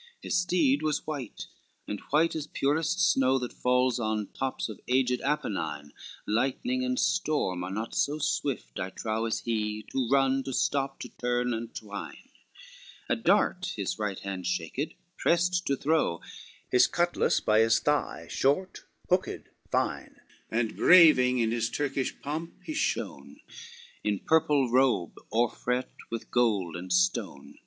LXXXII His steed was white, and white as purest snow That falls on tops of aged Apennine, Lightning and storm are not so swift I trow As he, to run, to stop, to turn and twine; A dart his right hand shaked, prest to throw; His cutlass by his thigh, short, hooked, fine, And braving in his Turkish pomp he shone, In purple robe, o'erfret with gold and stone.